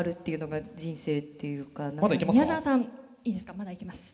まだいけますか？